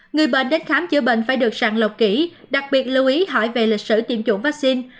người bệnh đến khám chữa bệnh phải được sàng lọc kỹ đặc biệt lưu ý hỏi về lịch sử tiêm chủng vaccine